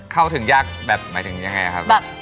เข้าถึงยากแบบหมายถึงยังไงครับ